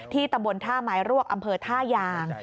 ตำบลท่าไม้รวกอำเภอท่ายาง